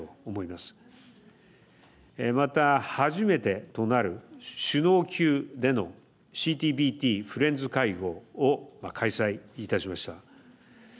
また、初めてとなる首脳級でのＣＴＢＴフレンズ会合を開催いたしました。